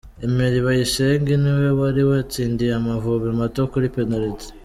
Emery Bayisenge, ni we wari watsindiye Amavubi mato kuri Penaliti.